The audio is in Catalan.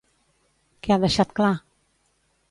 Què ha deixat clar?